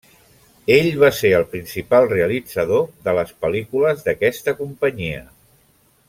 Ell va ser el principal realitzador de les pel·lícules d'aquesta companyia.